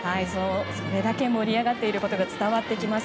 それだけ盛り上がっているのが伝わってきます。